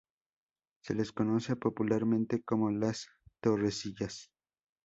Se les conoce popularmente como las "torrecillas".